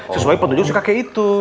sesuai petunjuk suka kakek itu